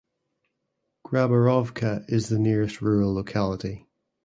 Graborovka is the nearest rural locality.